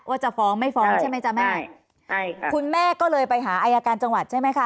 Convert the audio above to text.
ว่าจะฟ้องไม่ฟ้องใช่ไหมจ๊ะแม่ใช่ค่ะคุณแม่ก็เลยไปหาอายการจังหวัดใช่ไหมคะ